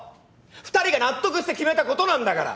２人が納得して決めたことなんだから。